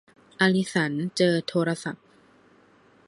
อลิสันเจอโทรศัพท์